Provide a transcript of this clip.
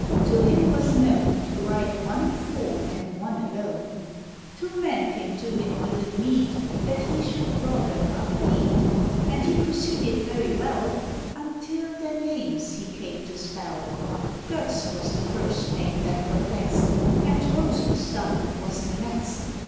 To him was known To write one form and one alone. Two men came to him with a need That he should draw them up a deed; And he proceeded very well, Until their names he came to spell: Gotz was the first name that perplexed, And Rosenstammen was the next.